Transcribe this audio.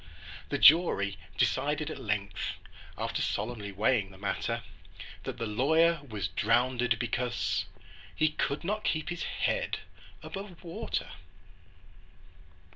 The jury decided at length, After solemnly weighing the matter, That the lawyer was drownded, because He could not keep his head above water!